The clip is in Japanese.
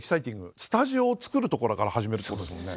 スタジオを作るところから始めるってことですもんね。